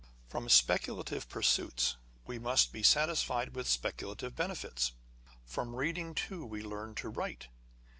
From speculative pursuits we must be satisfied with speculative benefits. From reading too, we learn to write.